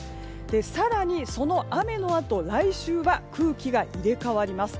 更に、その雨のあと来週は空気が入れ替わります。